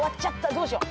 どうしよう。